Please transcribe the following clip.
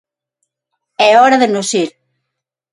é hora de nos ir.